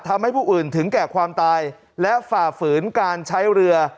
ทำให้ผู้อื่นถึงแก่ความตายและฝ่าฝืนการใช้เรือ